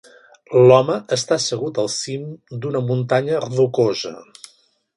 L"home està assegut al cim d"una muntanya rocosa.